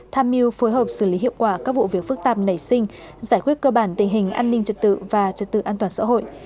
tham mưu phối hợp xử lý hiệu quả các vụ việc phức tạp nảy sinh giải quyết cơ bản tình hình an ninh trật tự và trật tự an toàn xã hội